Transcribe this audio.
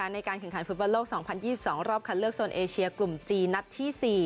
ในการแข่งขันฟุตบอลโลก๒๐๒๒รอบคัดเลือกโซนเอเชียกลุ่มจีนนัดที่๔